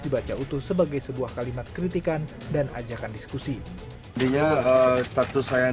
dibaca utuh sebagai sebuah kalimat kritikan dan ajakan diskusi dia status saya yang